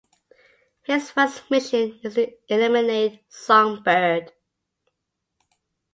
His first mission is to eliminate Songbird.